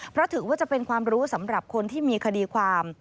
เพราะถือว่าจะเป็นความรู้สำหรับคนที่มีคดีความ